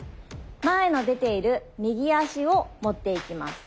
前の出ている右足をもっていきます。